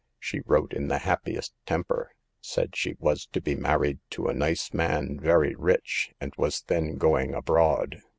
She wrote in the happiest temper, said she was to be married to a nice man, very rich, and was then going abroad.